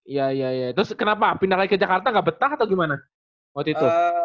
iya iya terus kenapa pindah lagi ke jakarta nggak betah atau gimana waktu itu